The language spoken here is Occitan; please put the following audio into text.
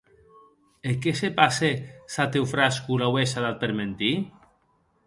E qué se passe s’a Teofrasco l’auesse dat per mentir?